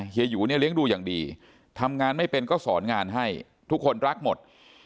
หยูเนี่ยเลี้ยงดูอย่างดีทำงานไม่เป็นก็สอนงานให้ทุกคนรักหมด